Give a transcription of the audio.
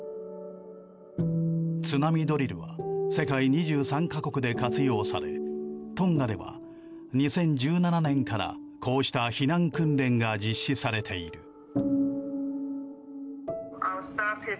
ツナミドリルは世界２３か国で活用されトンガでは２０１７年からこうした避難訓練が実施されている。